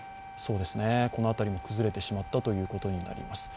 この辺りも崩れてしまったということになります。